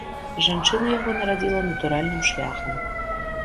Жанчына яго нарадзіла натуральным шляхам.